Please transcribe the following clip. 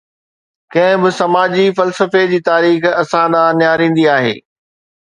ڪنهن به سماجي فلسفي جي تاريخ اسان ڏانهن نهاريندي آهي.